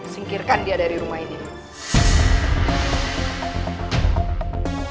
singkirkan dia dari rumah ini